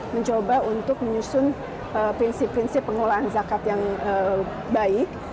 mencoba untuk menyusun prinsip prinsip pengelolaan zakat yang baik